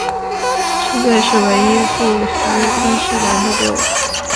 狮子队是唯一驻锡昆士兰的队伍。